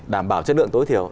đảm bảo chất lượng tối thiểu